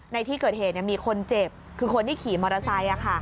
ในที่เกิดเหตุมีคนเจ็บคือคนที่ขี่มอเตอร์ไซค์